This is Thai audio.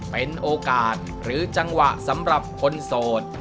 เป็นโอกาสหรือจังหวะสำหรับคนโสด